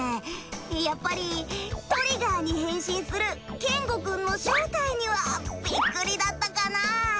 やっぱりトリガーに変身するケンゴくんの正体にはビックリだったかな。